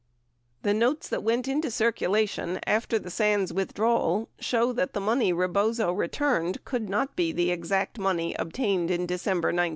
The notes that went into circulation after the Sands withdrawal show that the money Rebozo returned could not be the exact money obtained in December 1968.